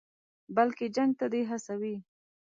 بلکې جنګ ته دې هڅوي.